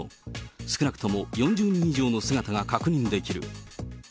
少なくとも４０人以上の姿が確認できる。